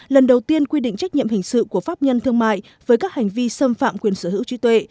lần đầu tiên quy định trách nhiệm hình sự của pháp nhân thương mại với các hành vi xâm phạm quyền sở hữu trí tuệ